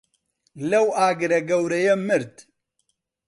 لەو ئاگرە گەورەیە مرد.